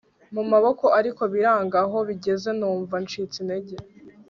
mu maboko ariko biranga aho bigeze numva ncitse intege